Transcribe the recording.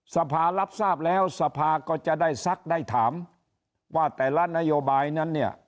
สภารับทราบแล้วสภาก็จะได้ซักได้ถามว่าแต่ละนโยบายนั้นเนี่ย